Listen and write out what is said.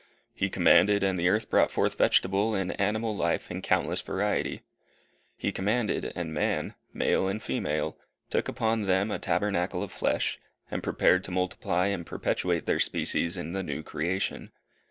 He commanded, and the earth brought forth vegetable and animal life in countless variety. He commanded, and man, male and female, took upon them a tabernacle of flesh, and prepared to multiply and perpetuate their species in the new creation.